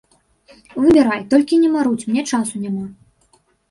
Выбірай, толькі не марудзь, мне часу няма.